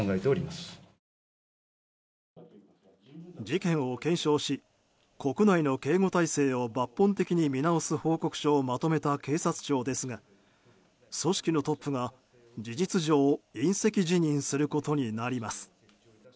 事件を検証し国内の警護態勢を抜本的に見直す報告書をまとめた警察庁ですが組織のトップが、事実上引責辞任することになります。